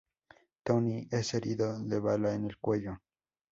Tony es herido de bala en el cuello.